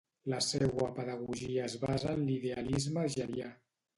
La seua pedagogia es basa en l'idealisme hegelià.